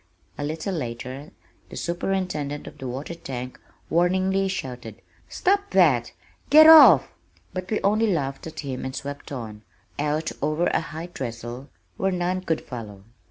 A little later the superintendent of the water tank warningly shouted, "Stop that! Get Off!" but we only laughed at him and swept on, out over a high trestle, where none could follow.